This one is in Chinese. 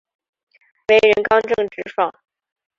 为人刚正直爽。